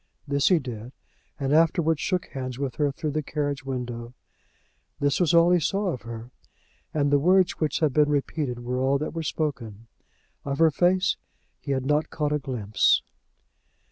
This he did, and afterwards shook hands with her through the carriage window. This was all he saw of her, and the words which have been repeated were all that were spoken. Of her face he had not caught a glimpse.